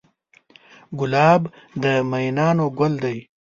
ګلاب د مینانو ګل دی.